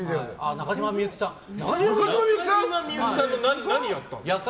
中島みゆきさんの何をやったんですか？